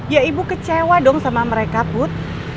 ya ibu kecewa dong sama mereka put